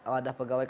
wadah pegawai kpk